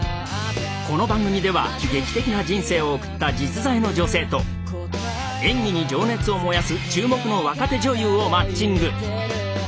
この番組では劇的な人生を送った実在の女性と演技に情熱を燃やす注目の若手女優をマッチング。